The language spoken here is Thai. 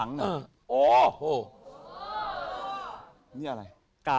นี่อะไร